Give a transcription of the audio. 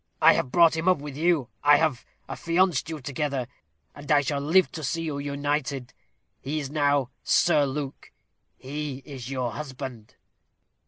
I have brought him up with you. I have affianced you together; and I shall live to see you united. He is now Sir Luke. He is your husband."